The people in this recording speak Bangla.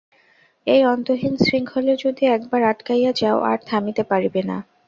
এই অন্তহীন শৃঙ্খলে যদি একবার আটকাইয়া যাও, আর থামিতে পারিবে না।